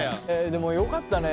でもよかったね。